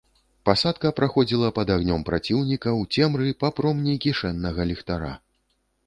Пасадка праходзіла пад агнём праціўніка, у цемры, па промні кішэннага ліхтара.